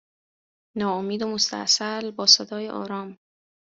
ناامید و مستاصل با صدای آرام